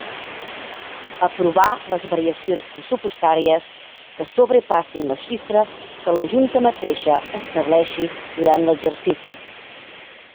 Aprovar les variacions pressupostàries que sobrepassin la xifra que la Junta mateixa estableixi durant l'exercici.